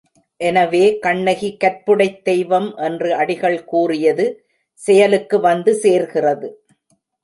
எனவே கண்ணகி கற்புடைத் தெய்வம் என்று அடிகள் கூறியது செயலுக்கு வந்து சேர்கிறது.